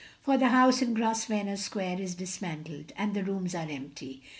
For the house in Grosvenor Square is dis mantled, and the rooms are empty.